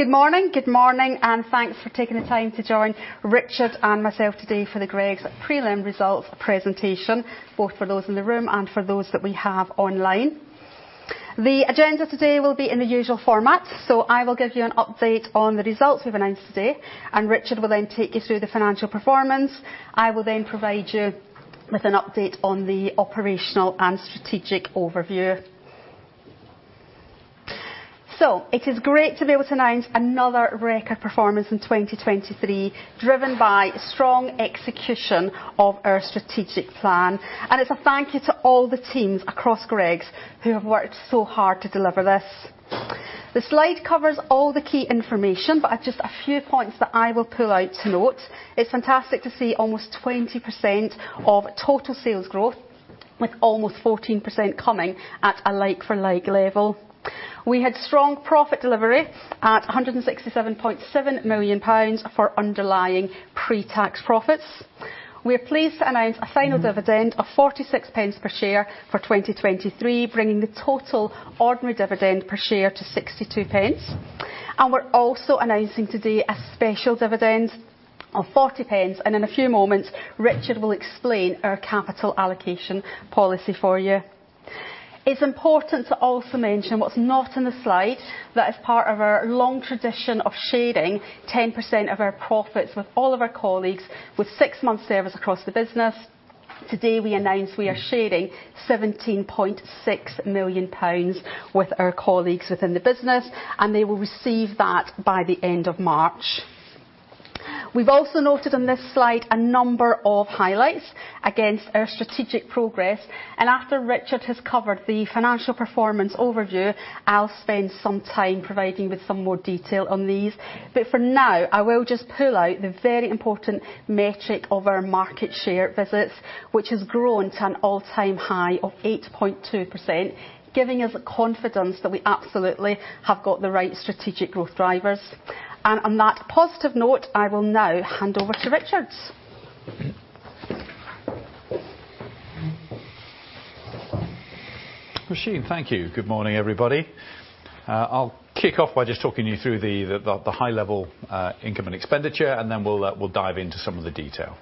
Good morning, good morning, and thanks for taking the time to join Richard and myself today for the Greggs Prelim Results presentation, both for those in the room and for those that we have online. The agenda today will be in the usual format, so I will give you an update on the results we've announced today, and Richard will then take you through the financial performance. I will then provide you with an update on the operational and strategic overview. So, it is great to be able to announce another record performance in 2023 driven by strong execution of our strategic plan, and it's a thank you to all the teams across Greggs who have worked so hard to deliver this. The slide covers all the key information, but just a few points that I will pull out to note. It's fantastic to see almost 20% of total sales growth, with almost 14% coming at a like-for-like level. We had strong profit delivery at 167.7 million pounds for underlying pre-tax profits. We are pleased to announce a final dividend of 0.46 per share for 2023, bringing the total ordinary dividend per share to 0.62. And we're also announcing today a special dividend of 0.40, and in a few moments, Richard will explain our capital allocation policy for you. It's important to also mention what's not on the slide, that as part of our long tradition of sharing 10% of our profits with all of our colleagues with six-month service across the business, today we announce we are sharing 17.6 million pounds with our colleagues within the business, and they will receive that by the end of March. We've also noted on this slide a number of highlights against our strategic progress, and after Richard has covered the financial performance overview, I'll spend some time providing you with some more detail on these. For now, I will just pull out the very important metric of our market share visits, which has grown to an all-time high of 8.2%, giving us confidence that we absolutely have got the right strategic growth drivers. On that positive note, I will now hand over to Richard. Roisin, thank you. Good morning, everybody. I'll kick off by just talking you through the high-level income and expenditure, and then we'll dive into some of the detail.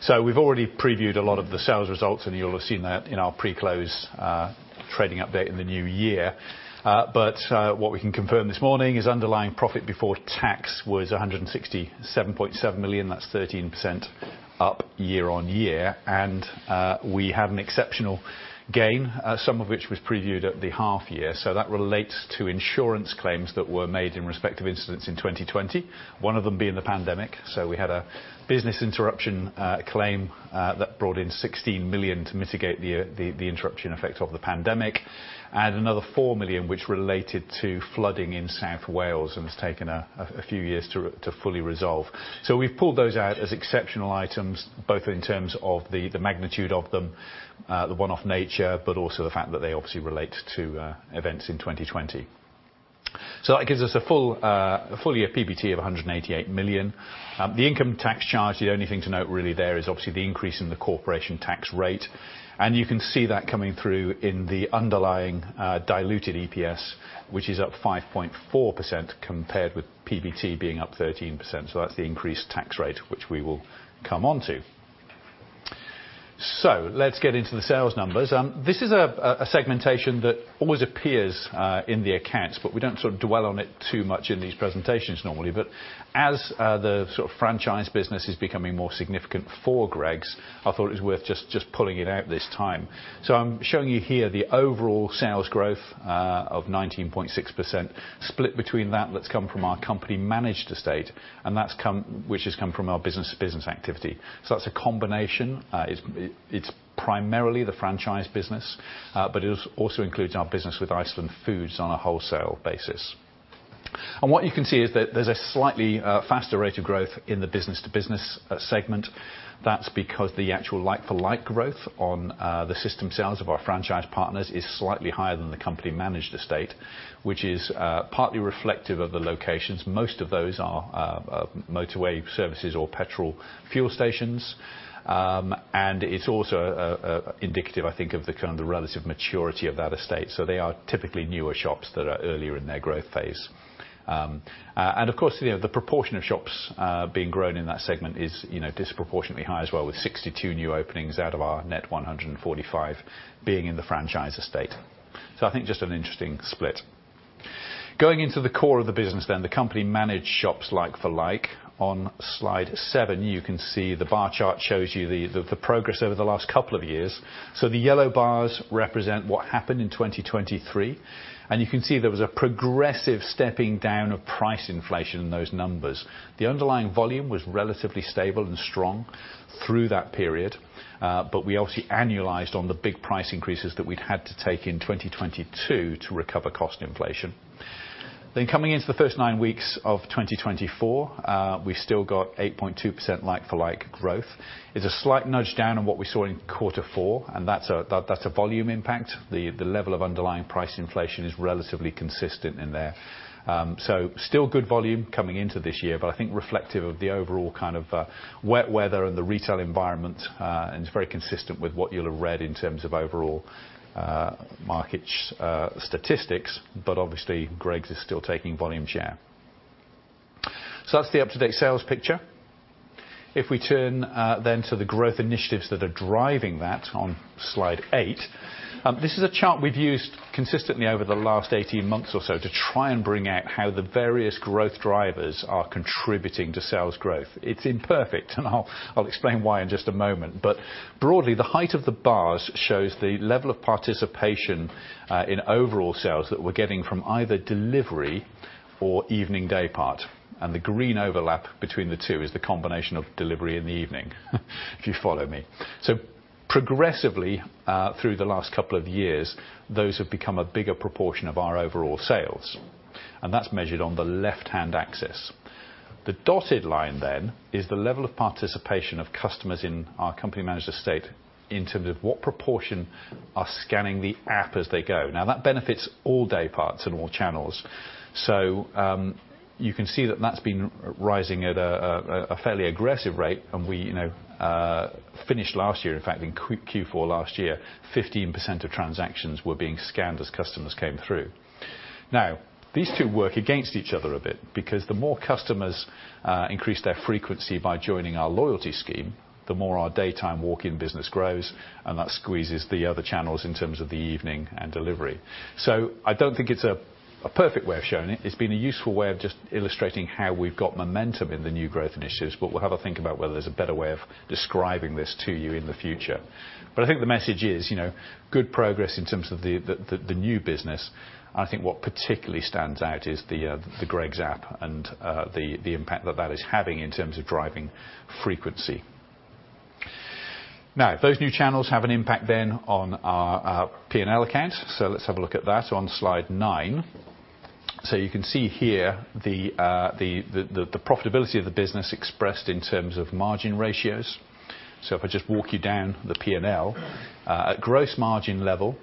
So, we've already previewed a lot of the sales results, and you'll have seen that in our pre-close trading update in the new year. What we can confirm this morning is underlying profit before tax was 167.7 million. That's 13% up year-on-year. We had an exceptional gain, some of which was previewed at the half-year. That relates to insurance claims that were made in respective incidents in 2020, one of them being the pandemic. So, we had a business interruption claim that brought in 16 million to mitigate the interruption effect of the pandemic, and another 4 million which related to flooding in South Wales and has taken a few years to fully resolve. So, we've pulled those out as exceptional items, both in terms of the magnitude of them, the one-off nature, but also the fact that they obviously relate to events in 2020. So that gives us a full-year PBT of 188 million. The income tax charge, the only thing to note really there is obviously the increase in the corporation tax rate. And you can see that coming through in the underlying diluted EPS, which is up 5.4% compared with PBT being up 13%. So that's the increased tax rate which we will come onto. So, let's get into the sales numbers. This is a segmentation that always appears in the accounts, but we don't sort of dwell on it too much in these presentations normally. But as the sort of franchise business is becoming more significant for Greggs, I thought it was worth just pulling it out this time. So, I'm showing you here the overall sales growth of 19.6% split between that that's come from our company managed estate, and that's come which has come from our business-to-business activity. So that's a combination. It's primarily the franchise business, but it also includes our business with Iceland Foods on a wholesale basis. And what you can see is that there's a slightly faster rate of growth in the business-to-business segment. That's because the actual like-for-like growth on the system sales of our franchise partners is slightly higher than the company managed estate, which is partly reflective of the locations. Most of those are motorway services or petrol fuel stations. And it's also indicative, I think, of the kind of the relative maturity of that estate. So, they are typically newer shops that are earlier in their growth phase. And of course, you know, the proportion of shops being grown in that segment is, you know, disproportionately high as well, with 62 new openings out of our net 145 being in the franchise estate. So, I think just an interesting split. Going into the core of the business then, the company managed shops like-for-like. On slide 7, you can see the bar chart shows you the progress over the last couple of years. So, the yellow bars represent what happened in 2023, and you can see there was a progressive stepping down of price inflation in those numbers. The underlying volume was relatively stable and strong through that period, but we obviously annualized on the big price increases that we'd had to take in 2022 to recover cost inflation. Then coming into the first 9 weeks of 2024, we've still got 8.2% like-for-like growth. It's a slight nudge down on what we saw in quarter 4, and that's a volume impact. The level of underlying price inflation is relatively consistent in there, so still good volume coming into this year, but I think reflective of the overall kind of wet weather and the retail environment, and it's very consistent with what you'll have read in terms of overall market statistics. But obviously, Greggs is still taking volume share. So that's the up-to-date sales picture. If we turn then to the growth initiatives that are driving that on slide 8, this is a chart we've used consistently over the last 18 months or so to try and bring out how the various growth drivers are contributing to sales growth. It's imperfect, and I'll, I'll explain why in just a moment. But broadly, the height of the bars shows the level of participation in overall sales that we're getting from either delivery or evening daypart. And the green overlap between the two is the combination of delivery and the evening daypart, if you follow me. So progressively, through the last couple of years, those have become a bigger proportion of our overall sales, and that's measured on the left-hand axis. The dotted line then is the level of participation of customers in our company managed estate in terms of what proportion are scanning the app as they go. Now, that benefits all day parts and all channels. So, you can see that that's been rising at a fairly aggressive rate, and we, you know, finished last year, in fact, in Q4 last year, 15% of transactions were being scanned as customers came through. Now, these two work against each other a bit because the more customers, increase their frequency by joining our loyalty scheme, the more our daytime walk-in business grows, and that squeezes the other channels in terms of the evening and delivery. So, I don't think it's a perfect way of showing it. It's been a useful way of just illustrating how we've got momentum in the new growth initiatives, but we'll have a think about whether there's a better way of describing this to you in the future. But I think the message is, you know, good progress in terms of the new business, and I think what particularly stands out is the Greggs App and, the impact that that is having in terms of driving frequency. Now, those new channels have an impact then on our P&L accounts. So, let's have a look at that on slide 9. So, you can see here the profitability of the business expressed in terms of margin ratios. So, if I just walk you down the P&L, at gross margin level,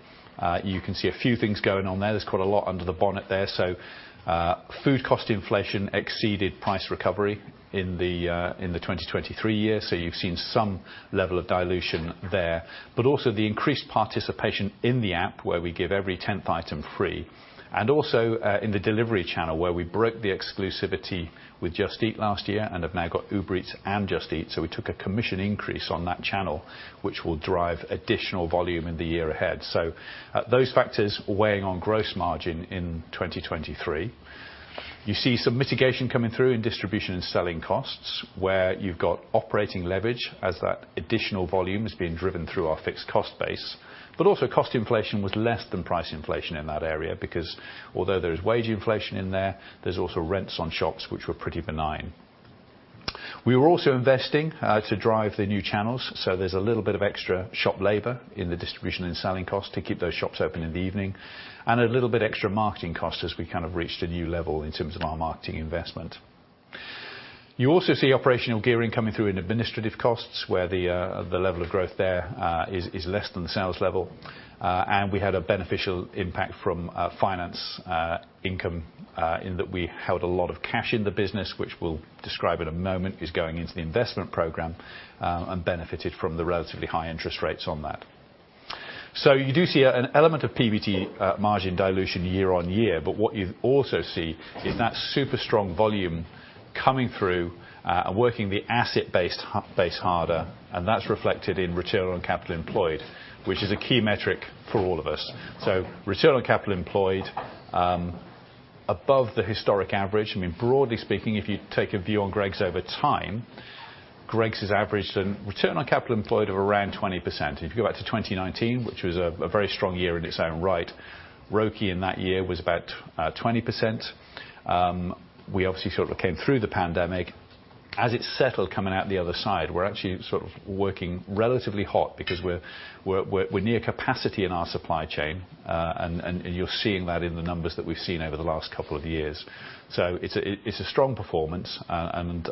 you can see a few things going on there. There's quite a lot under the bonnet there. So, food cost inflation exceeded price recovery in the 2023 year. So, you've seen some level of dilution there, but also the increased participation in the app where we give every 10th item free, and also, in the delivery channel where we broke the exclusivity with Just Eat last year and have now got Uber Eats and Just Eat. So, we took a commission increase on that channel, which will drive additional volume in the year ahead. So, those factors weighing on gross margin in 2023. You see some mitigation coming through in distribution and selling costs where you've got operating leverage as that additional volume is being driven through our fixed cost base, but also cost inflation was less than price inflation in that area because although there is wage inflation in there, there's also rents on shops which were pretty benign. We were also investing, to drive the new channels. So there's a little bit of extra shop labor in the distribution and selling costs to keep those shops open in the evening and a little bit extra marketing costs as we kind of reached a new level in terms of our marketing investment. You also see operational gearing coming through in administrative costs where the level of growth there is less than the sales level. We had a beneficial impact from finance income, in that we held a lot of cash in the business, which we'll describe in a moment, is going into the investment program, and benefited from the relatively high interest rates on that. So you do see an element of PBT margin dilution year on year, but what you also see is that super-strong volume coming through, and working the asset base harder, and that's reflected in return on capital employed, which is a key metric for all of us. So return on capital employed, above the historic average. I mean, broadly speaking, if you take a view on Greggs over time, Greggs has averaged a return on capital employed of around 20%. If you go back to 2019, which was a very strong year in its own right, ROCE in that year was about 20%. We obviously sort of came through the pandemic. As it's settled coming out the other side, we're actually sort of working relatively hot because we're near capacity in our supply chain, and you're seeing that in the numbers that we've seen over the last couple of years. So it's a strong performance, and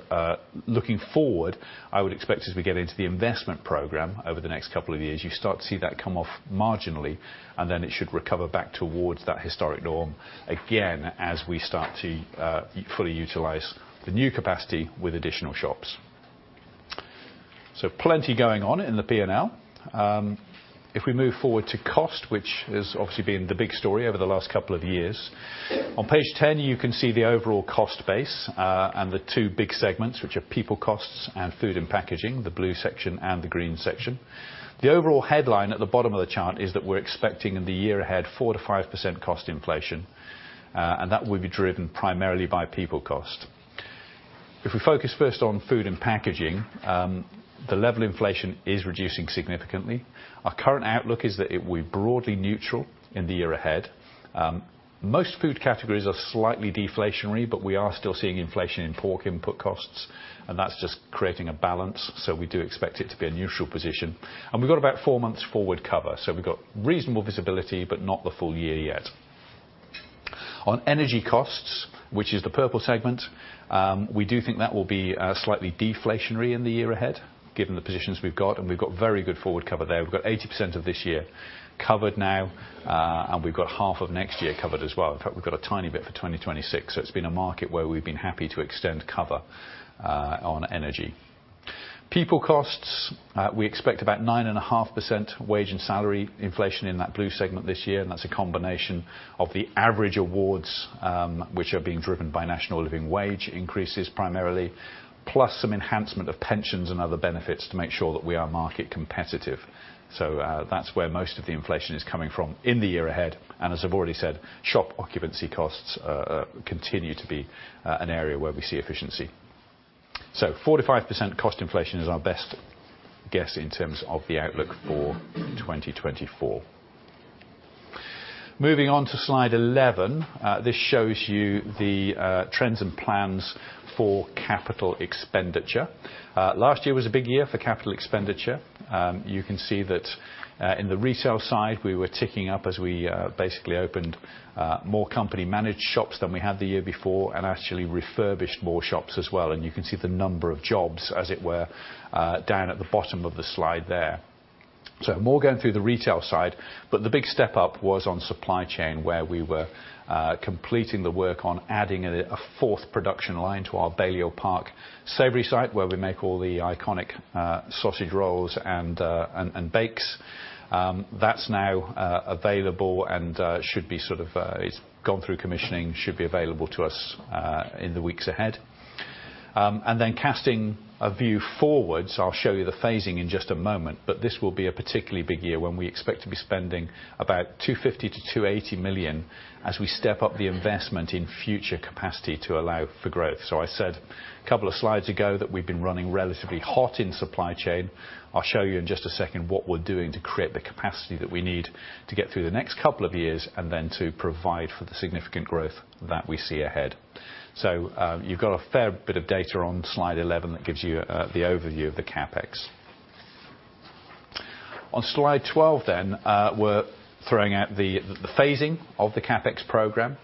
looking forward, I would expect as we get into the investment program over the next couple of years, you start to see that come off marginally, and then it should recover back towards that historic norm again as we start to fully utilize the new capacity with additional shops. So plenty going on in the P&L. If we move forward to cost, which has obviously been the big story over the last couple of years, on page 10, you can see the overall cost base, and the two big segments which are people costs and food and packaging, the blue section and the green section. The overall headline at the bottom of the chart is that we're expecting in the year ahead 4%-5% cost inflation, and that will be driven primarily by people cost. If we focus first on food and packaging, the level of inflation is reducing significantly. Our current outlook is that it will be broadly neutral in the year ahead. Most food categories are slightly deflationary, but we are still seeing inflation in pork input costs, and that's just creating a balance. So we do expect it to be a neutral position. And we've got about 4 months forward cover. So, we've got reasonable visibility but not the full year yet. On energy costs, which is the purple segment, we do think that will be slightly deflationary in the year ahead given the positions we've got, and we've got very good forward cover there. We've got 80% of this year covered now, and we've got half of next year covered as well. In fact, we've got a tiny bit for 2026. So, it's been a market where we've been happy to extend cover on energy. People costs, we expect about 9.5% wage and salary inflation in that blue segment this year, and that's a combination of the average awards, which are being driven by National Living Wage increases primarily, plus some enhancement of pensions and other benefits to make sure that we are market competitive. So, that's where most of the inflation is coming from in the year ahead. And as I've already said, shop occupancy costs continue to be an area where we see efficiency. So, 4%-5% cost inflation is our best guess in terms of the outlook for 2024. Moving on to slide 11, this shows you the trends and plans for capital expenditure. Last year was a big year for capital expenditure. You can see that, in the retail side, we were ticking up as we basically opened more company managed shops than we had the year before and actually refurbished more shops as well. And you can see the number of jobs, as it were, down at the bottom of the slide there. So more going through the retail side, but the big step up was on supply chain where we were completing the work on adding a fourth production line to our Balliol Business Park savoury site where we make all the iconic sausage rolls and bakes. That's now available and should be sort of; it's gone through commissioning and should be available to us in the weeks ahead. And then casting a view forwards. I'll show you the phasing in just a moment, but this will be a particularly big year when we expect to be spending about 250 million-280 million as we step up the investment in future capacity to allow for growth. So, I said a couple of slides ago that we've been running relatively hot in supply chain. I'll show you in just a second what we're doing to create the capacity that we need to get through the next couple of years and then to provide for the significant growth that we see ahead. So, you've got a fair bit of data on slide 11 that gives you the overview of the CapEx. On slide 12 then, we're throwing out the phasing of the CapEx program.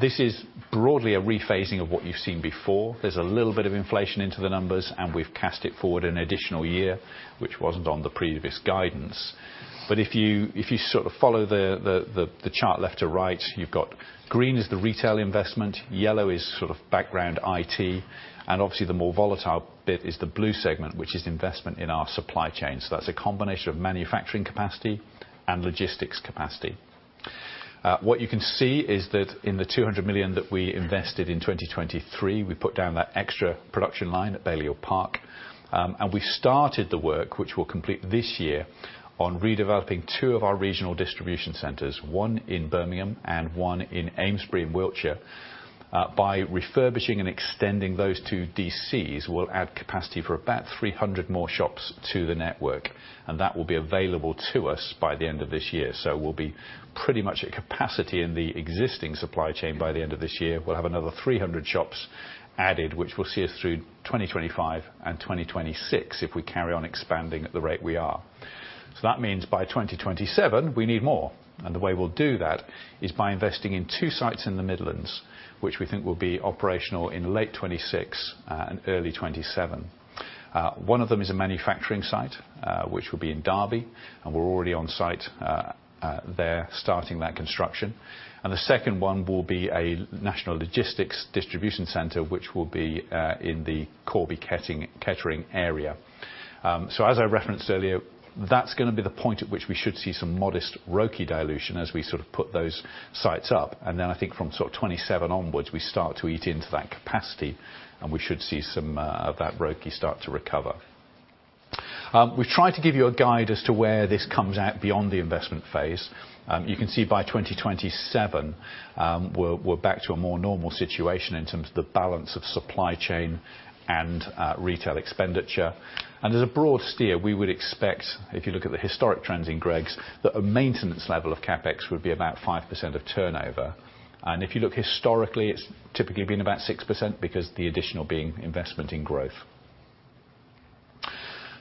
This is broadly a rephasing of what you've seen before. There's a little bit of inflation into the numbers, and we've cast it forward an additional year, which wasn't on the previous guidance. But if you sort of follow the chart left to right, you've got green is the retail investment, yellow is sort of background IT, and obviously, the more volatile bit is the blue segment, which is investment in our supply chain. So that's a combination of manufacturing capacity and logistics capacity. What you can see is that in the 200 million that we invested in 2023, we put down that extra production line at Balliol Business Park, and we started the work, which we'll complete this year, on redeveloping two of our regional distribution centers, one in Birmingham and one in Amesbury in Wiltshire. By refurbishing and extending those two DCs, we'll add capacity for about 300 more shops to the network, and that will be available to us by the end of this year. So, we'll be pretty much at capacity in the existing supply chain by the end of this year. We'll have another 300 shops added, which will see us through 2025 and 2026 if we carry on expanding at the rate we are. So that means by 2027, we need more. And the way we'll do that is by investing in 2 sites in the Midlands, which we think will be operational in late 2026, and early 2027. One of them is a manufacturing site, which will be in Derby, and we're already on site there starting that construction. And the second one will be a national logistics distribution center, which will be in the Corby/Kettering area. So, as I referenced earlier, that's gonna be the point at which we should see some modest ROCE dilution as we sort of put those sites up. And then I think from sort of 2027 onwards, we start to eat into that capacity, and we should see some of that ROCE start to recover. We've tried to give you a guide as to where this comes out beyond the investment phase. You can see by 2027, we're back to a more normal situation in terms of the balance of supply chain and retail expenditure. And as a broad steer, we would expect, if you look at the historic trends in Greggs, that a maintenance level of CapEx would be about 5% of turnover. And if you look historically, it's typically been about 6% because the additional being investment in growth.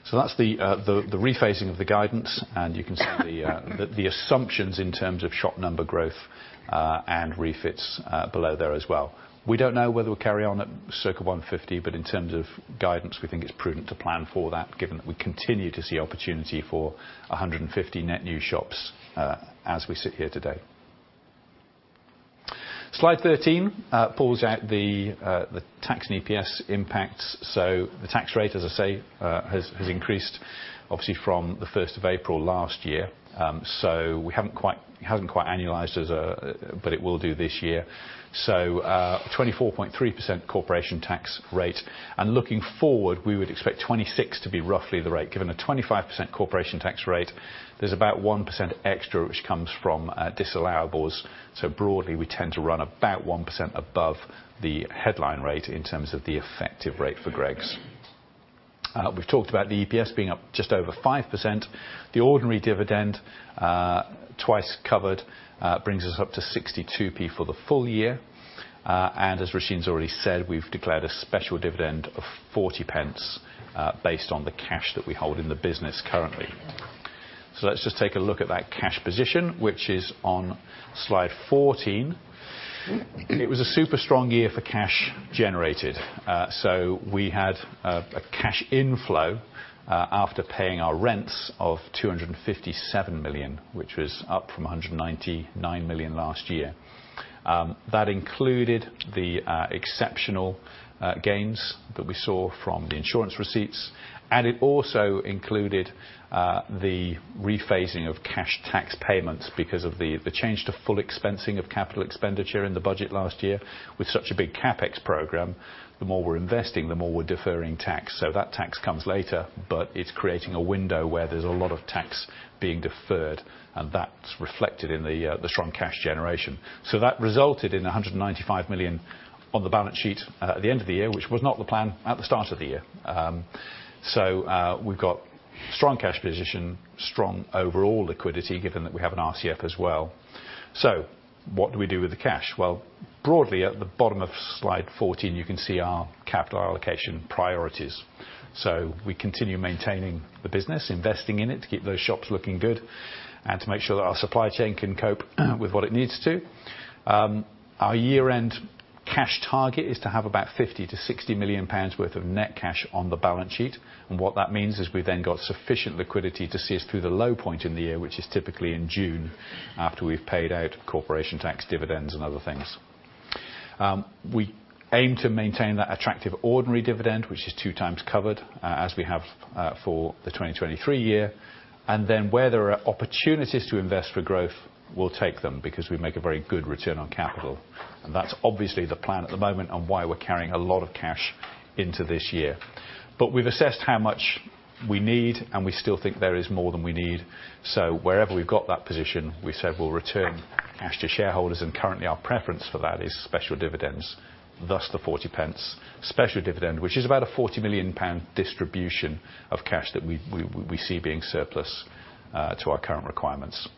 So that's the rephasing of the guidance, and you can see the assumptions in terms of shop number growth, and refits, below there as well. We don't know whether we'll carry on at circa 150, but in terms of guidance, we think it's prudent to plan for that given that we continue to see opportunity for 150 net new shops, as we sit here today. Slide 13 pulls out the tax and EPS impacts. So, the tax rate, as I say, has increased, obviously, from the 1st of April last year. So, we haven't quite annualized as yet, but it will do this year. So, 24.3% corporation tax rate. And looking forward, we would expect 26% to be roughly the rate given a 25% corporation tax rate. There's about 1% extra which comes from disallowable. So broadly, we tend to run about 1% above the headline rate in terms of the effective rate for Greggs. We've talked about the EPS being up just over 5%. The ordinary dividend, twice covered, brings us up to 62p for the full year. And as Roisin's already said, we've declared a special dividend of 40 pence, based on the cash that we hold in the business currently. So, let's just take a look at that cash position, which is on slide 14. It was a super-strong year for cash generated. So, we had a cash inflow after paying our rents of 257 million, which was up from 199 million last year. That included the exceptional gains that we saw from the insurance receipts, and it also included the rephasing of cash tax payments because of the change to full expensing of capital expenditure in the budget last year. With such a big CapEx program, the more we're investing, the more we're deferring tax. So that tax comes later, but it's creating a window where there's a lot of tax being deferred, and that's reflected in the strong cash generation. So that resulted in 195 million on the balance sheet at the end of the year, which was not the plan at the start of the year. So, we've got strong cash position, strong overall liquidity given that we have an RCF as well. So what do we do with the cash? Well, broadly, at the bottom of slide 14, you can see our capital allocation priorities. So we continue maintaining the business, investing in it to keep those shops looking good and to make sure that our supply chain can cope with what it needs to. Our year-end cash target is to have about 50 million-60 million pounds worth of net cash on the balance sheet. And what that means is we've then got sufficient liquidity to see us through the low point in the year, which is typically in June after we've paid out corporation tax dividends and other things. We aim to maintain that attractive ordinary dividend, which is two times covered, as we have, for the 2023 year. And then where there are opportunities to invest for growth, we'll take them because we make a very good return on capital. And that's obviously the plan at the moment and why we're carrying a lot of cash into this year. But we've assessed how much we need, and we still think there is more than we need. So, wherever we've got that position, we've said we'll return cash to shareholders. And currently, our preference for that is special dividends, thus the 0.40 special dividend, which is about a 40 million pound distribution of cash that we see being surplus to our current requirements.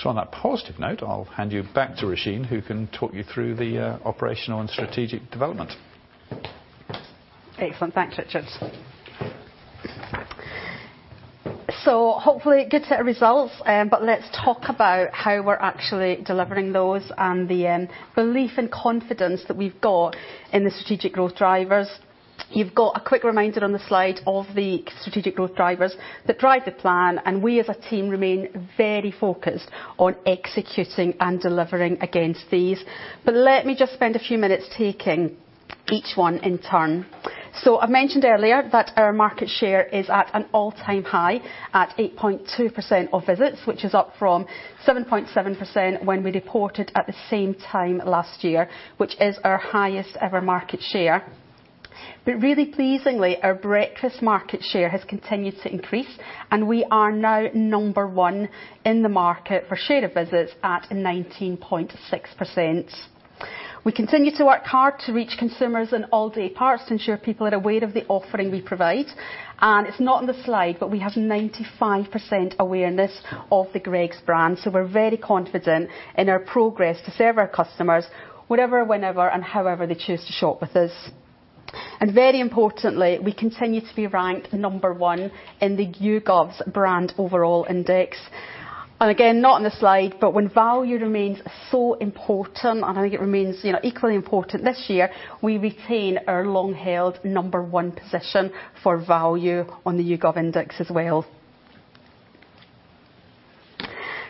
So, on that positive note, I'll hand you back to Roisin, who can talk you through the operational and strategic development. Excellent. Thanks, Richard. So hopefully, good set of results, but let's talk about how we're actually delivering those and the belief and confidence that we've got in the strategic growth drivers. You've got a quick reminder on the slide of the strategic growth drivers that drive the plan, and we, as a team, remain very focused on executing and delivering against these. But let me just spend a few minutes taking each one in turn. So, I mentioned earlier that our market share is at an all-time high at 8.2% of visits, which is up from 7.7% when we reported at the same time last year, which is our highest-ever market share. But really pleasingly, our breakfast market share has continued to increase, and we are now number one in the market for share of visits at 19.6%. We continue to work hard to reach consumers in all-day parts to ensure people are aware of the offering we provide. And it's not on the slide, but we have 95% awareness of the Greggs brand. So, we're very confident in our progress to serve our customers whatever, whenever, and however they choose to shop with us. And very importantly, we continue to be ranked number one in the YouGov's BrandIndex overall. And again, not on the slide, but when value remains so important, and I think it remains, you know, equally important this year, we retain our long-held number one position for value on the YouGov index as well.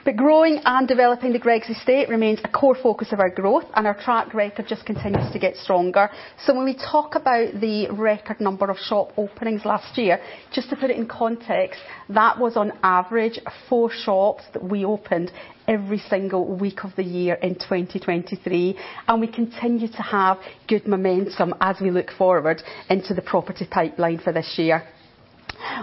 But growing and developing the Greggs estate remains a core focus of our growth, and our track record just continues to get stronger. So, when we talk about the record number of shop openings last year, just to put it in context, that was, on average, 4 shops that we opened every single week of the year in 2023. And we continue to have good momentum as we look forward into the property pipeline for this year.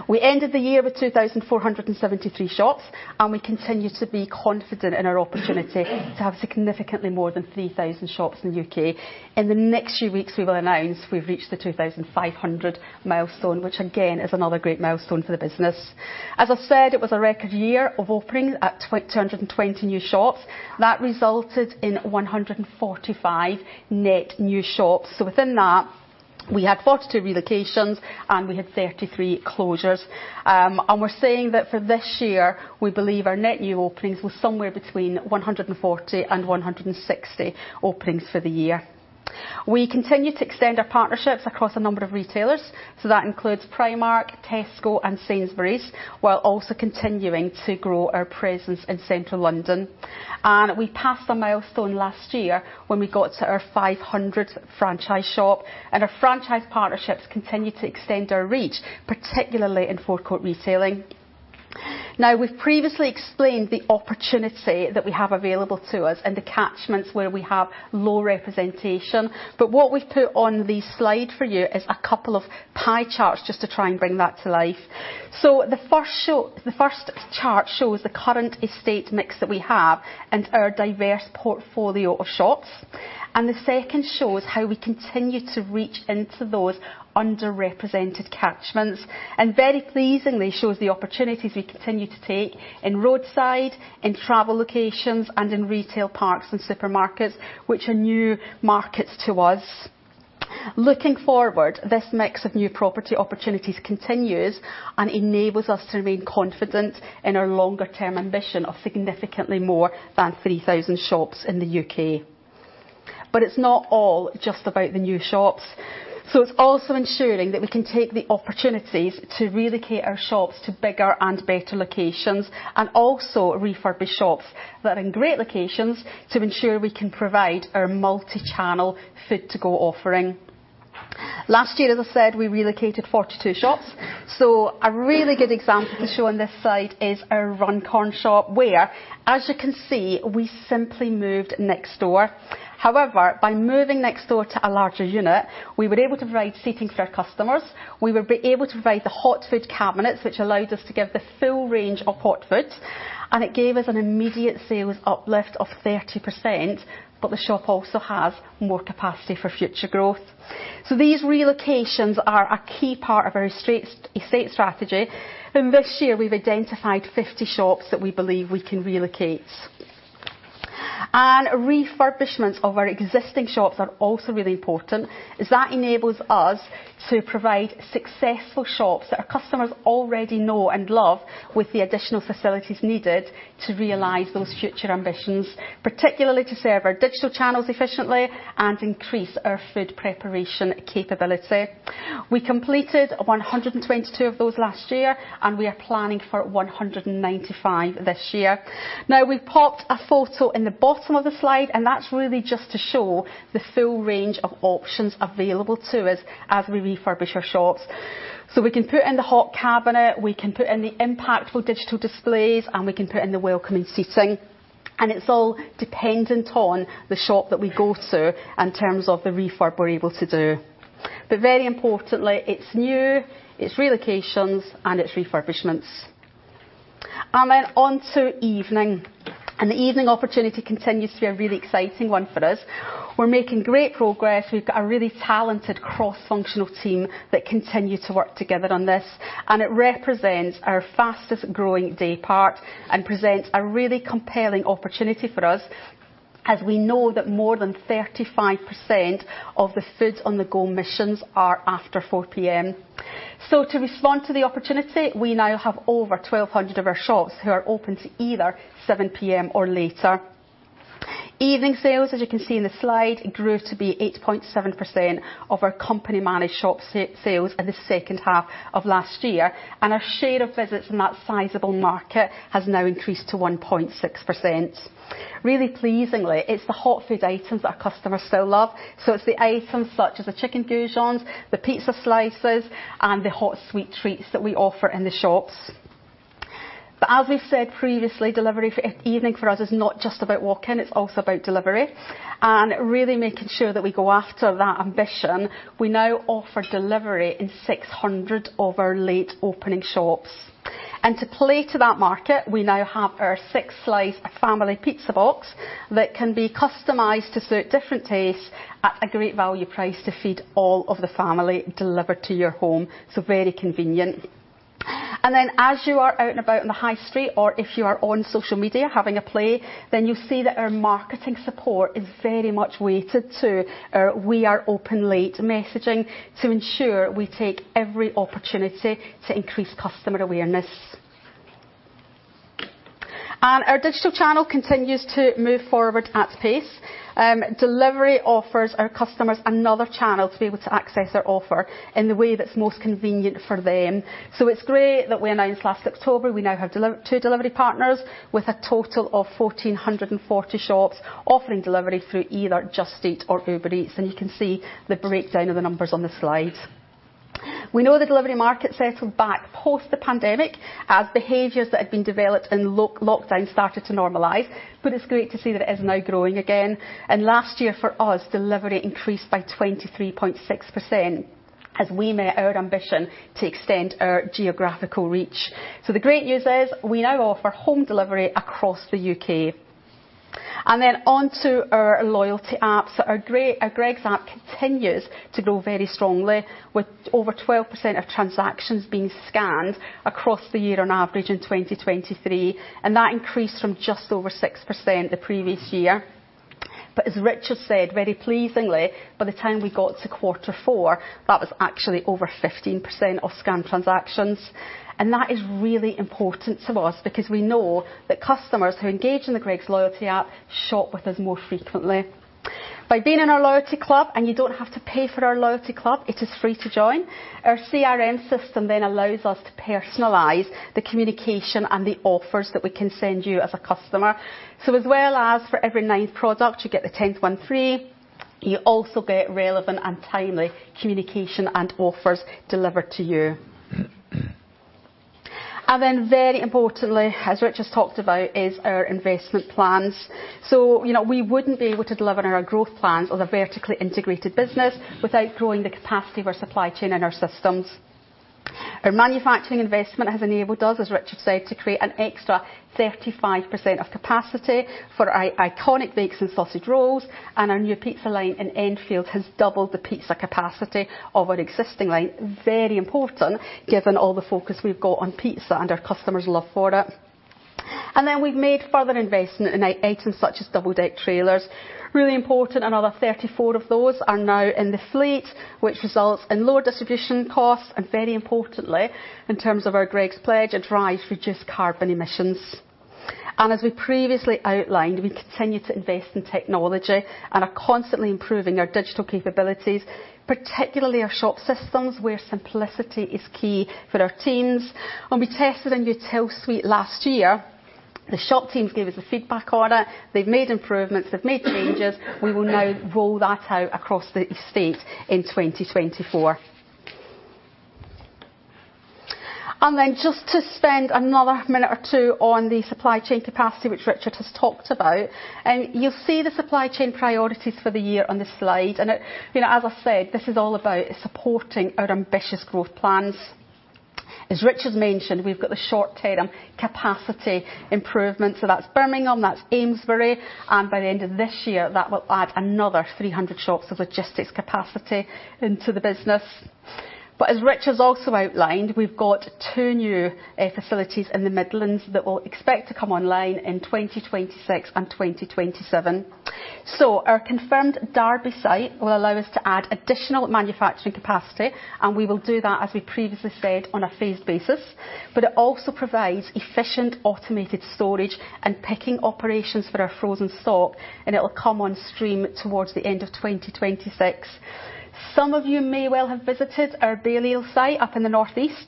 We ended the year with 2,473 shops, and we continue to be confident in our opportunity to have significantly more than 3,000 shops in the UK. In the next few weeks, we will announce we've reached the 2,500 milestone, which again is another great milestone for the business. As I said, it was a record year of openings at 220 new shops. That resulted in 145 net new shops. So, within that, we had 42 relocations, and we had 33 closures. We're saying that for this year, we believe our net new openings were somewhere between 140 and 160 openings for the year. We continue to extend our partnerships across a number of retailers. So that includes Primark, Tesco, and Sainsbury's, while also continuing to grow our presence in central London. We passed the milestone last year when we got to our 500th franchise shop, and our franchise partnerships continue to extend our reach, particularly in food court retailing. Now, we've previously explained the opportunity that we have available to us in the catchments where we have low representation, but what we've put on the slide for you is a couple of pie charts just to try and bring that to life. So the first chart shows the current estate mix that we have and our diverse portfolio of shops. And the second shows how we continue to reach into those underrepresented catchments. Very pleasingly, it shows the opportunities we continue to take in roadside, in travel locations, and in retail parks and supermarkets, which are new markets to us. Looking forward, this mix of new property opportunities continues and enables us to remain confident in our longer-term ambition of significantly more than 3,000 shops in the UK. But it's not all just about the new shops. It's also ensuring that we can take the opportunities to relocate our shops to bigger and better locations and also refurbish shops that are in great locations to ensure we can provide our multi-channel food-to-go offering. Last year, as I said, we relocated 42 shops. A really good example to show on this slide is our Runcorn shop where, as you can see, we simply moved next door. However, by moving next door to a larger unit, we were able to provide seating for our customers. We were able to provide the hot food cabinets, which allowed us to give the full range of hot foods. And it gave us an immediate sales uplift of 30%, but the shop also has more capacity for future growth. So, these relocations are a key part of our estate strategy. And this year, we've identified 50 shops that we believe we can relocate. And refurbishments of our existing shops are also really important. That enables us to provide successful shops that our customers already know and love with the additional facilities needed to realize those future ambitions, particularly to serve our digital channels efficiently and increase our food preparation capability. We completed 122 of those last year, and we are planning for 195 this year. Now, we've popped a photo in the bottom of the slide, and that's really just to show the full range of options available to us as we refurbish our shops. We can put in the hot cabinet, we can put in the impactful digital displays, and we can put in the welcoming seating. It's all dependent on the shop that we go to in terms of the refurb we're able to do. Very importantly, it's new, its relocations, and it's refurbishments. Then onto evening. The evening opportunity continues to be a really exciting one for us. We're making great progress. We've got a really talented cross-functional team that continue to work together on this. It represents our fastest-growing day part and presents a really compelling opportunity for us as we know that more than 35% of the food-on-the-go missions are after 4:00 P.M. So, to respond to the opportunity, we now have over 1,200 of our shops who are open to either 7:00 P.M. or later. Evening sales, as you can see in the slide, grew to be 8.7% of our company-managed shop sales in the second half of last year. Our share of visits in that sizable market has now increased to 1.6%. Really pleasingly, it's the hot food items that our customers still love. So, it's the items such as the chicken goujons, the pizza slices, and the hot sweet treats that we offer in the shops. But as we've said previously, delivery for evening for us is not just about walk-in; it's also about delivery. Really making sure that we go after that ambition, we now offer delivery in 600 of our late-opening shops. To play to that market, we now have our six-slice family pizza box that can be customized to suit different tastes at a great value price to feed all of the family delivered to your home. So very convenient. Then as you are out and about on the high street or if you are on social media having a play, then you'll see that our marketing support is very much weighted to our "We are open late" messaging to ensure we take every opportunity to increase customer awareness. And our digital channel continues to move forward at pace. Delivery offers our customers another channel to be able to access our offer in the way that's most convenient for them. So, it's great that we announced last October we now have delivery to two delivery partners with a total of 1,440 shops offering delivery through either Just Eat or Uber Eats. And you can see the breakdown of the numbers on the slides. We know the delivery market settled back post the pandemic as behaviors that had been developed in lockdown started to normalize. But it's great to see that it is now growing again. And last year, for us, delivery increased by 23.6% as we met our ambition to extend our geographical reach. So, the great news is we now offer home delivery across the UK. And then onto our loyalty apps. So, our Greggs app continues to grow very strongly, with over 12% of transactions being scanned across the year on average in 2023. And that increased from just over 6% the previous year. But as Richard said, very pleasingly, by the time we got to quarter four, that was actually over 15% of scanned transactions. That is really important to us because we know that customers who engage in the Greggs loyalty app shop with us more frequently. By being in our loyalty club and you don't have to pay for our loyalty club. It is free to join. Our CRM system then allows us to personalize the communication and the offers that we can send you as a customer. As well as for every ninth product, you get the 10th one free, you also get relevant and timely communication and offers delivered to you. Then very importantly, as Richard's talked about, is our investment plans. So, you know, we wouldn't be able to deliver on our growth plans as a vertically integrated business without growing the capacity of our supply chain and our systems. Our manufacturing investment has enabled us, as Richard said, to create an extra 35% of capacity for our iconic bakes and sausage rolls. Our new pizza line in Enfield has doubled the pizza capacity of our existing line. Very important given all the focus we've got on pizza and our customers' love for it. Then we've made further investment in such as double-deck trailers. Really important, another 34 of those are now in the fleet, which results in lower distribution costs. Very importantly, in terms of our Greggs Pledge, it drives reduced carbon emissions. As we previously outlined, we continue to invest in technology and are constantly improving our digital capabilities, particularly our shop systems where simplicity is key for our teams. We tested a new till suite last year. The shop teams gave us the feedback on it. They've made improvements. They've made changes. We will now roll that out across the estate in 2024. Then just to spend another minute or two on the supply chain capacity, which Richard has talked about, you'll see the supply chain priorities for the year on the slide. It, you know, as I said, this is all about supporting our ambitious growth plans. As Richard's mentioned, we've got the short-term capacity improvements. So that's Birmingham. That's Amesbury. By the end of this year, that will add another 300 shops of logistics capacity into the business. As Richard's also outlined, we've got two new facilities in the Midlands that we'll expect to come online in 2026 and 2027. Our confirmed Derby site will allow us to add additional manufacturing capacity. We will do that, as we previously said, on a phased basis. But it also provides efficient automated storage and picking operations for our frozen stock. It'll come on stream towards the end of 2026. Some of you may well have visited our Balliol site up in the North East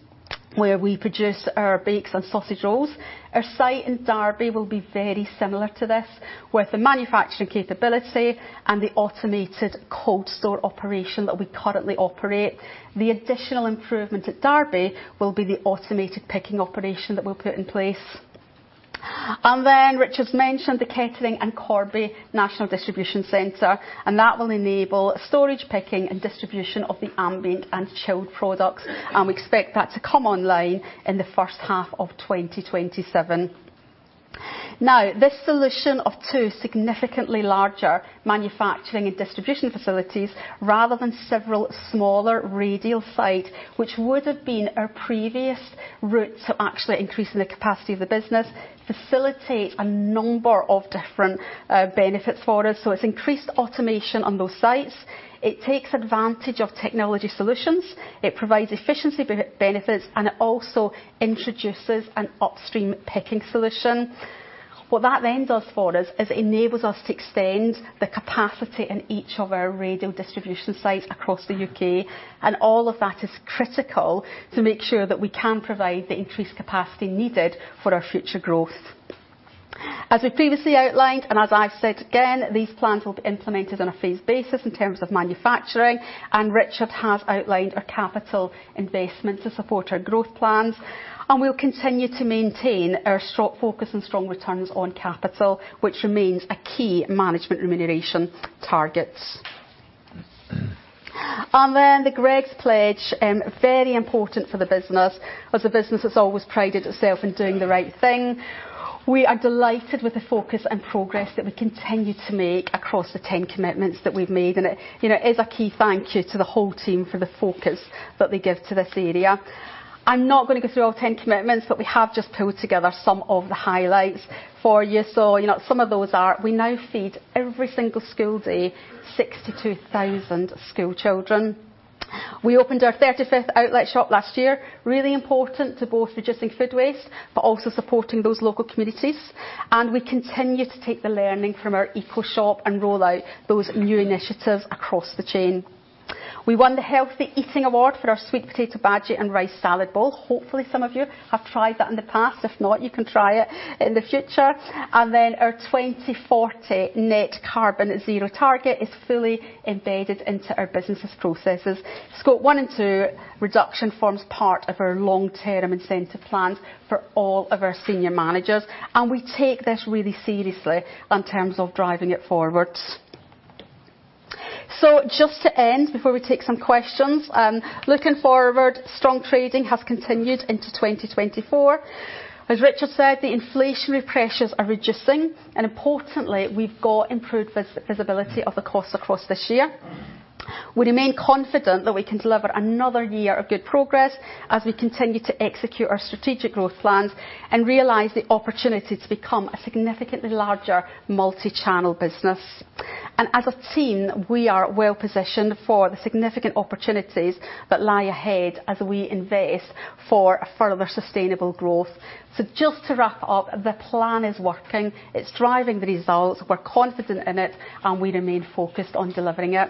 where we produce our bakes and sausage rolls. Our site in Derby will be very similar to this with the manufacturing capability and the automated cold store operation that we currently operate. The additional improvement at Derby will be the automated picking operation that we'll put in place. Then Richard's mentioned the Kettering and Corby National Distribution Center. That will enable storage, picking, and distribution of the ambient and chilled products. We expect that to come online in the first half of 2027. Now, this solution of two significantly larger manufacturing and distribution facilities rather than several smaller radial sites, which would have been our previous route to actually increasing the capacity of the business, facilitates a number of different benefits for us. So, it's increased automation on those sites. It takes advantage of technology solutions. It provides efficiency benefits. And it also introduces an upstream picking solution. What that then does for us is it enables us to extend the capacity in each of our radial distribution sites across the UK. And all of that is critical to make sure that we can provide the increased capacity needed for our future growth. As we previously outlined and as I've said again, these plans will be implemented on a phased basis in terms of manufacturing. Richard has outlined our capital investment to support our growth plans. We'll continue to maintain our stock focus and strong returns on capital, which remains a key management remuneration target. Then the Greggs Pledge, very important for the business as a business that's always prided itself in doing the right thing. We are delighted with the focus and progress that we continue to make across the 10 commitments that we've made. It, you know, is a key thank you to the whole team for the focus that they give to this area. I'm not gonna go through all 10 commitments, but we have just pulled together some of the highlights for you. So, you know, some of those are we now feed every single school day 62,000 school children. We opened our 35th outlet shop last year. Really important to both reducing food waste but also supporting those local communities. And we continue to take the learning from our eco-shop and roll out those new initiatives across the chain. We won the Healthy Eating Award for our sweet potato bakes and rice salad bowl. Hopefully, some of you have tried that in the past. If not, you can try it in the future. And then our 2040 net carbon zero target is fully embedded into our business's processes. Scope 1 and 2 reduction forms part of our long-term incentive plans for all of our senior managers. And we take this really seriously in terms of driving it forward. So, just to end before we take some questions, looking forward, strong trading has continued into 2024. As Richard said, the inflationary pressures are reducing. And importantly, we've got improved visibility of the costs across this year. We remain confident that we can deliver another year of good progress as we continue to execute our strategic growth plans and realize the opportunity to become a significantly larger multi-channel business. And as a team, we are well-positioned for the significant opportunities that lie ahead as we invest for further sustainable growth. So, just to wrap up, the plan is working. It's driving the results. We're confident in it. And we remain focused on delivering it.